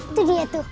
itu dia tuh